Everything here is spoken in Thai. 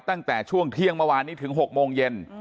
ตั้งแต่ช่วงเที่ยงเมื่อวานนี้ถึง๖โมงเย็น